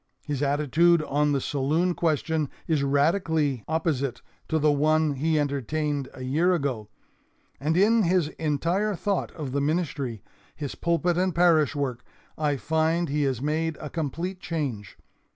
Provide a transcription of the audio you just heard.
His attitude on the saloon question is radically opposite to the one he entertained a year ago. And in his entire thought of the ministry, his pulpit and parish work, I find he has made a complete change.